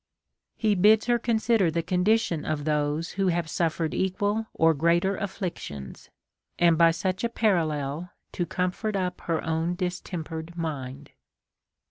t He bids her consider the condition of those who have suffered equal or greater afflictions, and by such a parallel to comfort up her own distempered mind.